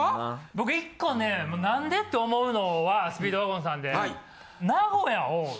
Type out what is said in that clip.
僕１個ね何で？って思うのはスピードワゴンさんで。